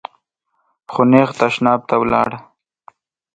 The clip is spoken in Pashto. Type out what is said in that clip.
خو نېغ تشناب ته ولاړ .